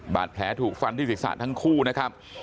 บาดแผลถูกฟันที่ศีรษะทั้งคู่นะครับ